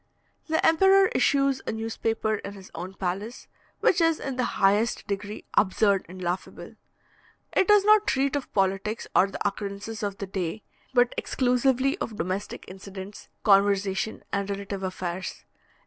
The emperor issues a newspaper in his own palace, which is in the highest degree absurd and laughable. It does not treat of politics or the occurrences of the day, but exclusively of domestic incidents, conversation and relative affairs.